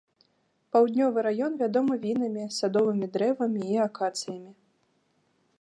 Паўднёвы раён вядомы вінамі, садовымі дрэвамі і акацыямі.